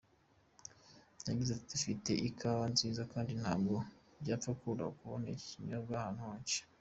Yagize ati”Dufite ikawa nziza kandi ntabwo byapfaga koroha kubona iki kinyobwa ahantu henshi”.